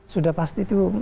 sudah pasti itu